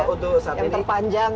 untuk saat ini yang terpanjang jelas